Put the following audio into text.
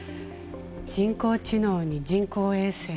人工知能に人工衛星。